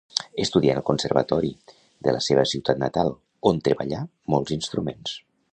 Estudià en el conservatori de la seva ciutat natal, on treballà molts instruments.